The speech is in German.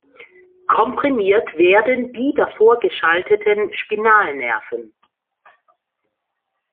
Komprimiert werden die davor geschalteten Spinalnerven.